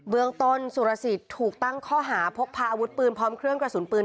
เมืองต้นสุรสิทธิ์ถูกตั้งข้อหาพกพาอาวุธปืนพร้อมเครื่องกระสุนปืน